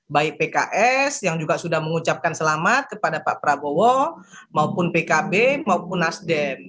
baik pks yang juga sudah mengucapkan selamat kepada pak prabowo maupun pkb maupun nasdem